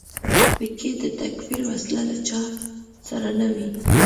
په کې د تکفیر وسله له چا سره نه وي.